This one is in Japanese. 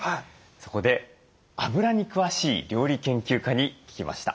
そこであぶらに詳しい料理研究家に聞きました。